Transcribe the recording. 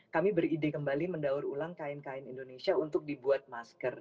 kami beride kembali mendaur ulang kain kain indonesia untuk dibuat masker